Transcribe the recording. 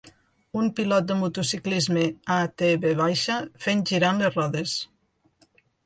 Un pilot de motociclisme ATV fent girant les rodes.